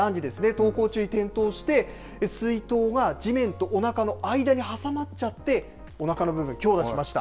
登校中に転倒して水筒が地面とおなかの間に挟まっちゃっておなかの部分を強打しました。